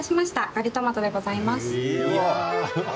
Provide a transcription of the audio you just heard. ガリトマトでございます。